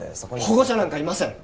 保護者なんかいません！